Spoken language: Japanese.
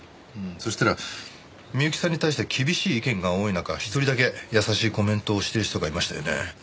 そしたら美由紀さんに対して厳しい意見が多い中１人だけ優しいコメントをしている人がいましたよね。